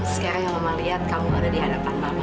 sekarang yang mama lihat kamu ada di hadapan kamu